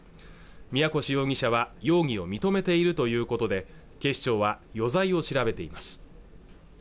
宮腰容疑者は容疑を認めているということで警視庁は余罪を調べています